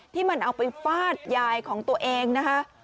ที่มันเอาไปฟาดยายของตัวเองนะคะ